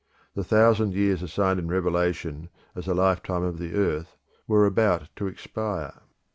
The thousand years assigned in Revelation as the lifetime of the earth were about to expire.